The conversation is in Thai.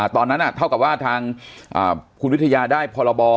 เท่ากับว่าทางคุณวิทยาได้พรบ